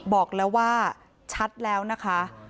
บอกแล้วว่าชัดแล้วนะคะ